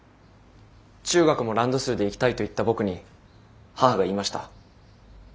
中学もランドセルで行きたいと言った僕に母が言いました。